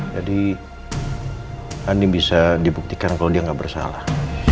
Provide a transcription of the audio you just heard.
jadi andi bisa dibuktikan kalo dia gak bersalah